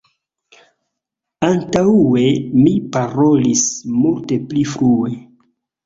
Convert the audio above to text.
Antaŭe mi parolis multe pli flue.